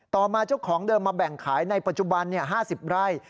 ต่อมาเจ้าของเดิมมาแบ่งขายในปัจจุบัน๕๐ไร่